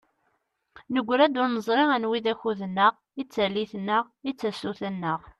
Negra-d ur neẓri aniwa i d akud-nneɣ, i d tallit-nneɣ, i d tasuta-nneɣ.